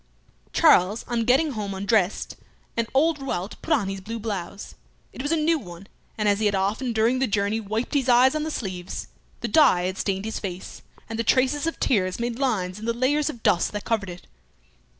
Charles on getting home undressed, and old Rouault put on his blue blouse. It was a new one, and as he had often during the journey wiped his eyes on the sleeves, the dye had stained his face, and the traces of tears made lines in the layer of dust that covered it.